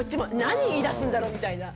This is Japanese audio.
何言いだすんだろう？みたいな。